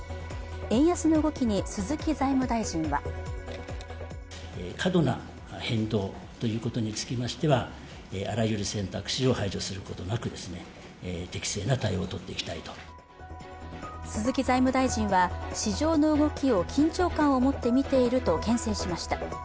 円安の動きに、鈴木財務大臣は鈴木財務大臣は市場の動きを緊張感を持って見ているとけん制しました。